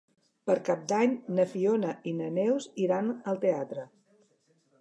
Per Cap d'Any na Fiona i na Neus iran al teatre.